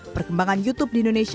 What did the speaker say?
perkembangan youtube di indonesia